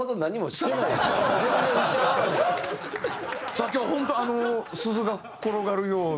さあ今日は本当鈴が転がるような。